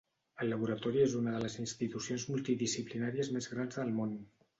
El laboratori és una de les institucions multidisciplinàries més grans del món.